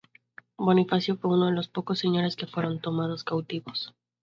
Bonifacio fue uno de los pocos señores que fueron tomados cautivos.